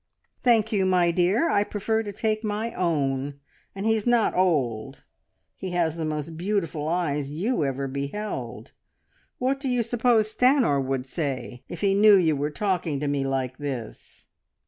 "Thank you, my dear, I prefer to take my own; and he's not old. He has the most beautiful eyes you ever beheld. What do you suppose Stanor would say if he knew you were talking to me like this?"